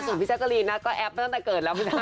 ส่วนพี่แจ๊กกะรีนนะก็แอปมาตั้งแต่เกิดแล้วไม่ได้